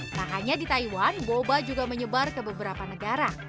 tak hanya di taiwan goba juga menyebar ke beberapa negara